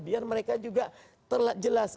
biar mereka juga jelas